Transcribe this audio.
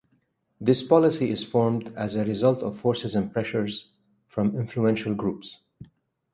This policy is formed as a result of forces and pressures from influential groups.